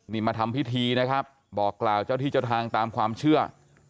นี่มาทำพิธีนะครับบอกกล่าวเจ้าที่เจ้าทางตามความเชื่อ